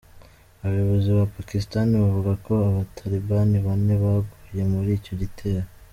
Abayobozi ba Pakistan bavuga ko Abatalibani bane baguye muri icyo gitero.